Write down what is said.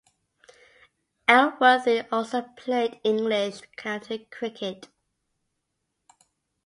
Elworthy also played English county cricket.